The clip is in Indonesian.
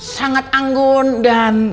sangat anggun dan